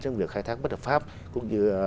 trong việc khai thác bất hợp pháp cũng như